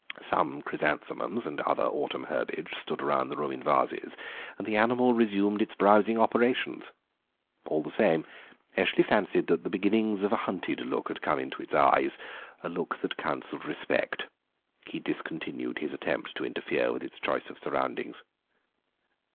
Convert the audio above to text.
Some chrysanthemums and other autumn herbage stood about the room in vases, and the animal resumed its browsing operations; all the same, Eshley fancied that the beginnings of a hunted look had come into its eyes, a look that counselled respect. He discontinued his attempt to interfere with its choice of surroundings.